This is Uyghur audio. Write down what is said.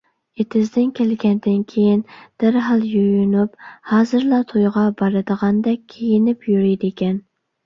ئېتىزدىن كەلگەندىن كېيىن دەرھال يۇيۇنۇپ، ھازىرلا تويغا بارىدىغاندەك كىيىنىپ يۈرىدىكەن.